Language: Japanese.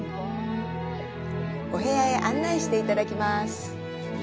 お部屋へ案内していただきます。